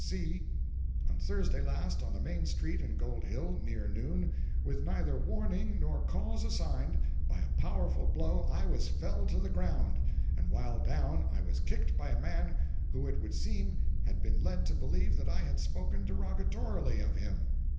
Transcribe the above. (c) On Thursday last, on the main street in Gold Hill, near noon, with neither warning nor cause assigned, by a powerful blow I was felled to the ground, and while down I was kicked by a man who it would seem had been led to believe that I had spoken derogatorily of him.